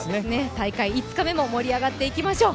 大会５日目も盛り上がっていきましょう。